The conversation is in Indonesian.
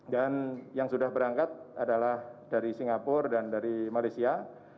dan yang sudah berangkat adalah dari singapura dan dari malaysia